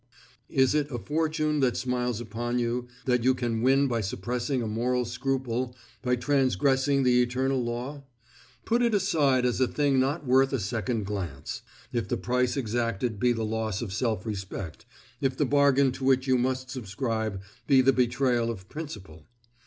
Is it a fortune that smiles upon you, that you can win by suppressing a moral scruple, by transgressing the eternal law? Put it aside as a thing not worth a second glance, if the price exacted be the loss of self respect, if the bargain to which you must subscribe be the betrayal of principle.